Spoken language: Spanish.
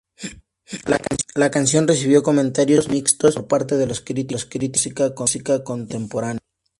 La canción recibió comentarios mixtos por parte de los críticos de música contemporánea.